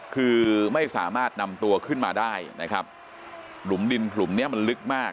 คือไม่สามารถนำตัวขึ้นมาได้นะครับหลุมดินหลุมเนี้ยมันลึกมาก